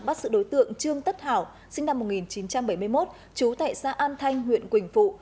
bắt sự đối tượng trương tất hảo sinh năm một nghìn chín trăm bảy mươi một trú tại xã an thanh huyện quỳnh phụ